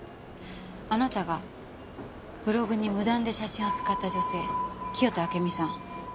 あなたがブログに無断で写真を使った女性清田暁美さん